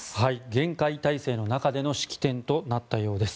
厳戒態勢の中での式典となったようです。